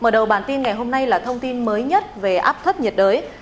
mở đầu bản tin ngày hôm nay là thông tin mới nhất về áp thấp nhiệt đới